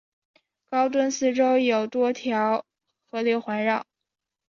高墩四周有多条河流环绕。